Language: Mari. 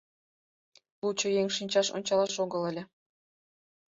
Лучо еҥ шинчаш ончалаш огыл ыле!